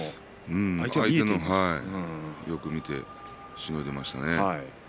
相手をよく見てしのいでいましたね。